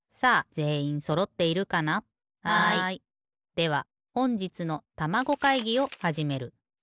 ではほんじつのたまご会議をはじめる。